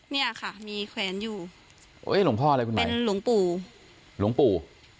เนี่ยค่ะมีแขวนอยู่เอ้ยหลวงพ่ออะไรคุณแม่เป็นหลวงปู่หลวงปู่